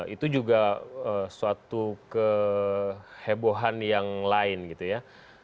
itu juga suatu kehebohan yang lain gitu ya